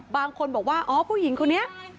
บางคนบอกว่าอ๋อผู้หญิงคนนี้